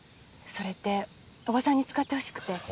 それっておばさんに使ってほしくて。